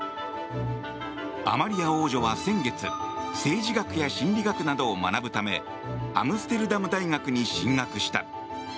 アマリア王女は先月政治学や心理学などを学ぶためアムステルダム大学に進学した。